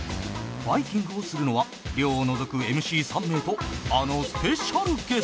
バイキングをするのは亮を除く ＭＣ３ 名とあのスペシャルゲスト